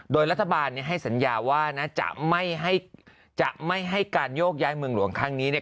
โดยรัฐบาลนี้ให้สัญญาว่าจะไม่ให้การโยกย้ายเมืองหลวงครั้งนี้